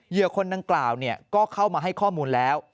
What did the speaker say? คนดังกล่าวก็เข้ามาให้ข้อมูลแล้ว